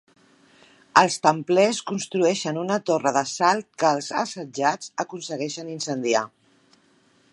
Els templers construeixen una torre d'assalt que els assetjats aconsegueixen incendiar.